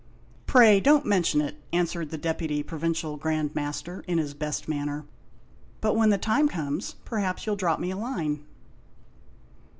"Pray don't mention it," answered the Deputy Provincial Grand Master, in his best manner. "But when the time comes, perhaps you'll drop me a line."